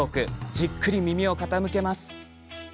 じっくり耳を傾けます。